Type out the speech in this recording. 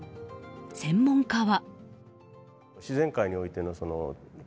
専門家は。